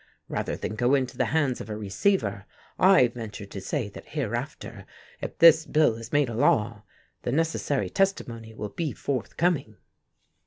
Rather than go into the hands of a receiver I venture to say that hereafter, if this bill is made a law, the necessary testimony will be forthcoming."